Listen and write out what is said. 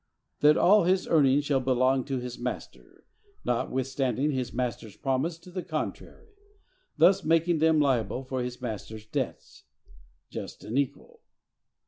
That all his earnings shall belong to his master, notwithstanding his master's promise to the contrary; thus making them liable for his master's debts.—Just and equal!